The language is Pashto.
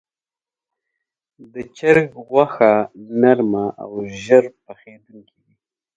د چرګ غوښه نرم او ژر پخېدونکې وي.